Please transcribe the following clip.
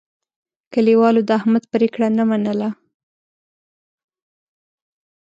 کلیوالو د احمد پرېکړه نه منله.